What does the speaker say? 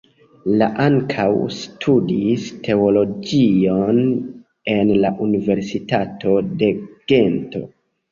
Li ankaŭ studis teologion en la Universitato de Gento.